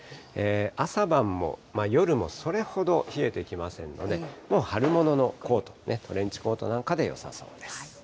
朝晩も、夜も、それほど冷えてきませんので、もう春物のコート、トレンチコートなんかでよさそうです。